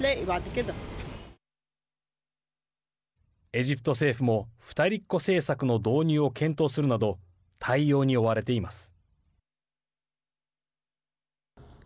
エジプト政府も２人っ子政策の導入を検討するなど対応に追われています。